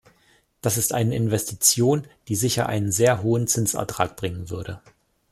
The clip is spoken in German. Das ist eine Investition, die sicher einen sehr hohen Zinsertrag bringen würde.